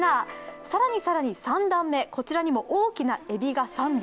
さらにさらに３段目、こちらにも大きな海老が３尾。